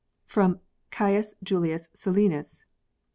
From Caius Julius Solinus.